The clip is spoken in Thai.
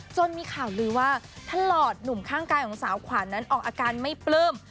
จนมีข่าวลือว่าท่านหลอดหนุ่มข้างกายของสาวขวานนั้นออกอาการไม่ปลื้ม